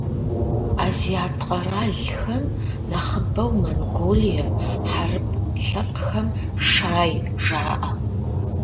Азиат къэралхэм, нэхъыбэу Монголием, хьэрып лъэпкъхэм - «шай» жаӏэ.